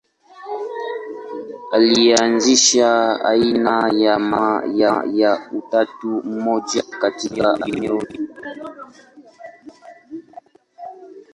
Ilianzisha aina ya mapema ya utatu mmoja katika eneo hilo.